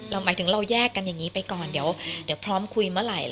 หมายถึงเราแยกกันอย่างนี้ไปก่อนเดี๋ยวพร้อมคุยเมื่อไหร่